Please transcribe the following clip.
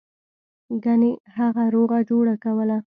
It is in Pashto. ګنې هغه روغه جوړه کوله.